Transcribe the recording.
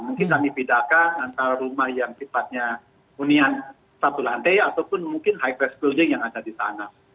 mungkin kami bedakan antara rumah yang sifatnya hunian satu lantai ataupun mungkin high press building yang ada di sana